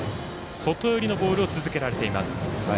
外寄りのボールを続けられています。